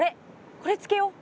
これつけよう。